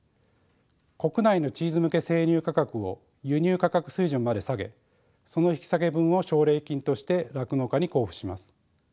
国内のチーズ向け生乳価格を輸入価格水準まで下げその引き下げ分を奨励金として酪農家に交付します。